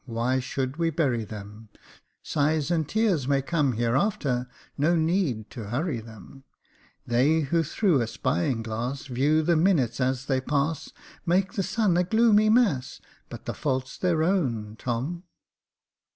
Why should we bury them ? Sighs and tears may come hereafter, No need to hurry them. 124 Jacob Faithful They who through a spying glasa, View the minutes as they pass, Make the sun a gloomy mass, But the fault's their own, Tom."